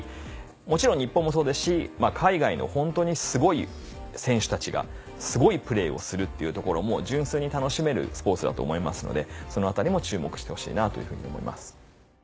もちろん日本もそうですし海外のホントにすごい選手たちがすごいプレーをするっていうところも純粋に楽しめるスポーツだと思いますのでその辺りも注目してほしいなというふうに思います。